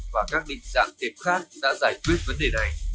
và các định dạng tiệm khác đã giải quyết vấn đề này